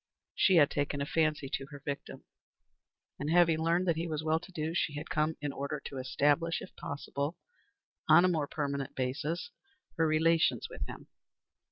She had taken a fancy to her victim, and having learned that he was well to do, she had come in order to establish, if possible, on a more permanent basis, her relations with him.